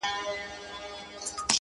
• زه لکه سیوری ځمه ,